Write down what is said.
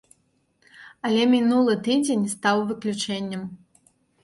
Але мінулы тыдзень стаў выключэннем.